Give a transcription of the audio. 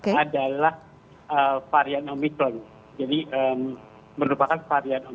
kalau varian omikron br satu